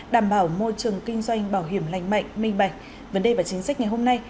đảm bảo môi trường kinh doanh bảo hiểm lành mạnh minh bạch vấn đề và chính sách ngày hôm nay